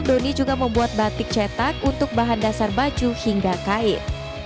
doni juga membuat batik cetak untuk bahan dasar baju hingga kain